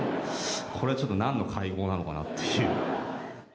これはちょっとなんの会合なのかなっていう。